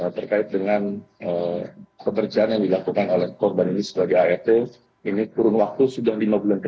terkait dengan pekerjaan yang dilakukan oleh korban ini sebagai art ini kurun waktu sudah lima bulan ke depan